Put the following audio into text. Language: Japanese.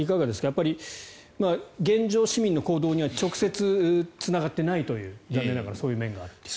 やっぱり現状、市民の行動には直接つながっていないという残念ながらそういう面がある。